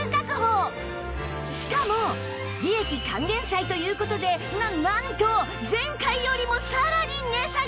しかも利益還元祭という事でななんと前回よりもさらに値下げ！